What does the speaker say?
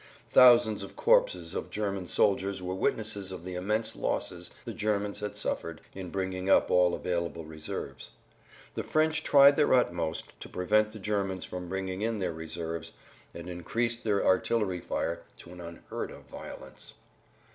Thousands of corpses of German soldiers were witnesses of the immense losses the Germans had suffered in bringing up all available reserves. The French tried their utmost to prevent the Germans from bringing in their reserves, and increased their artillery fire to an unheard of violence.